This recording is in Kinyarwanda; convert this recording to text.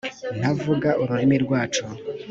ntavuga ururimi rwacu